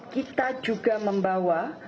kita juga membawa